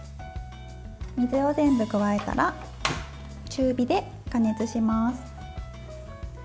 水を全部加えたら中火で加熱します。